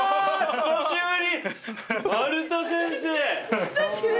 久しぶり。